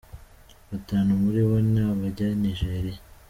Batanu muri bo ni abanya Nijeriya.